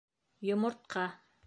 Йомортҡа